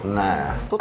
nah tuh tau